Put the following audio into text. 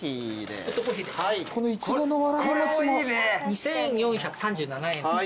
２，４３７円です。